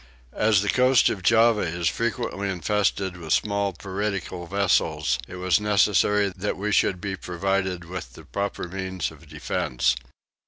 As the coast of Java is frequently infested with small piratical vessels it was necessary that we should be provided with the proper means of defence.